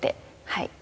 はい。